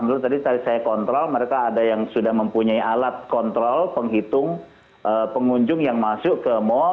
menurut tadi saya kontrol mereka ada yang sudah mempunyai alat kontrol penghitung pengunjung yang masuk ke mall